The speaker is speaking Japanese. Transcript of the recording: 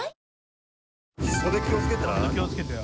本当気をつけてよ。